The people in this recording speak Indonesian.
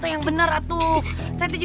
kamu jangan berbicara kayak itu atuh